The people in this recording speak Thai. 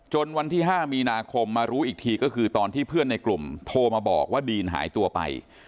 วันที่๕มีนาคมมารู้อีกทีก็คือตอนที่เพื่อนในกลุ่มโทรมาบอกว่าดีนหายตัวไป